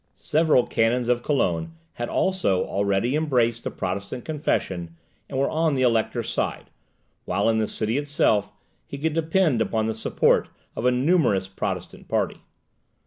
Several canons of Cologne had also already embraced the Protestant confession, and were on the elector's side, while, in the city itself, he could depend upon the support of a numerous Protestant party.